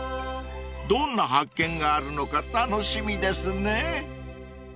［どんな発見があるのか楽しみですね］